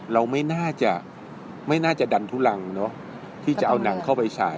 เราไม่น่าจะดันทุรังที่จะเอาหนังเข้าไปใช้